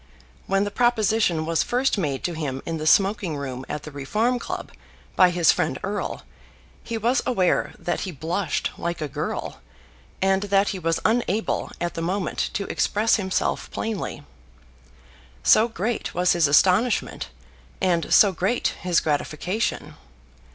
When the proposition was first made to him in the smoking room at the Reform Club by his friend Erle, he was aware that he blushed like a girl, and that he was unable at the moment to express himself plainly, so great was his astonishment and so great his gratification.